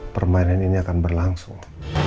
permainan ini akan berlangsung